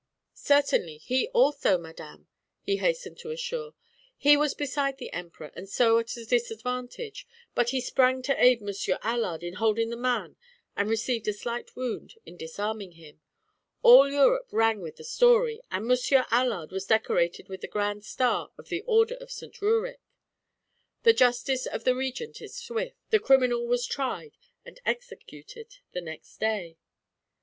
"Certainly; he also, madame," he hastened to assure. "He was beside the Emperor and so at a disadvantage, but he sprang to aid Monsieur Allard in holding the man and received a slight wound in disarming him. All Europe rang with the story, and Monsieur Allard was decorated with the Grand Star of the Order of St. Rurik. The justice of the Regent is swift; the criminal was tried and executed the next day."